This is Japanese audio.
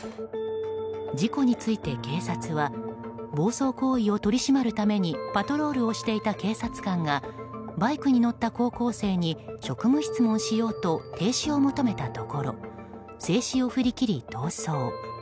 事故について警察は暴走行為を取り締まるためにパトロールをしていた警察官がバイクに乗った高校生に職務質問しようと停止を求めたところ制止を振り切り逃走。